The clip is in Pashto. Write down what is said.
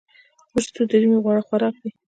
وچ توت د ژمي غوره خوراک دی.